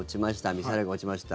ミサイルが落ちました。